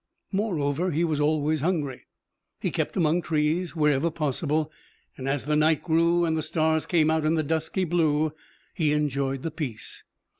Moreover, he was always hungry. He kept among trees wherever possible, and, as the night grew, and the stars came out in the dusky blue, he enjoyed the peace.